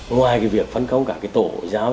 ngoài việc phân công cả tổ giáo